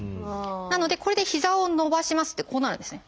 なのでこれで膝を伸ばしますってこうなるんですね。